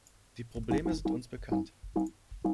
Die Probleme sind uns bekannt.